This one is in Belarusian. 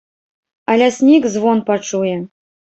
А ляснік звон пачуе.